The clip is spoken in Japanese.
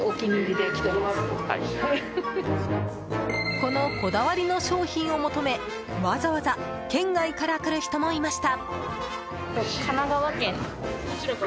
このこだわりの商品を求めわざわざ県外から来る人もいました。